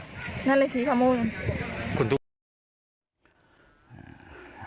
นั่นเลยครับมึง